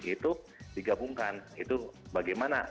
itu digabungkan itu bagaimana